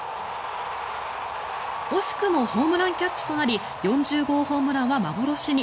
惜しくもホームランキャッチとなり４０号ホームランは幻に。